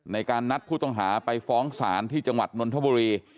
ในการนัดผู้ต้องหาไปฟ้องศาลที่จังหวัดนนทบุรี